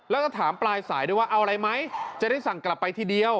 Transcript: แล้วจะถามปลายสายด้วยว่าเอาอะไรไหมจะได้สั่งกลับไปทีเดียว